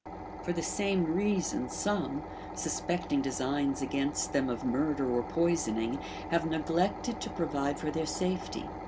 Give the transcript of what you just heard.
For the same reason, some, suspecting designs against them of murder or poisoning, have ne glected to provide for their safety.